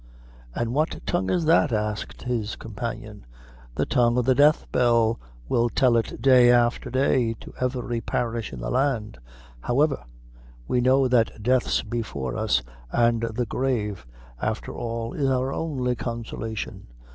"And what tongue is that?" asked his companion. "The tongue of the death bell will tell it day afther day to every parish in the land. However, we know that death's before us, an' the grave, afther all, is our only consolation."